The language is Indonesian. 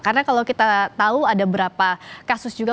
karena kalau kita tahu ada berapa kasus juga